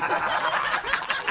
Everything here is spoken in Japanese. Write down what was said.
ハハハ